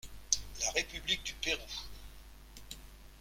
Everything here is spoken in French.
La République du Pérou.